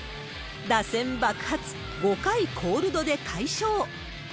打線爆発、５回コールドで快勝。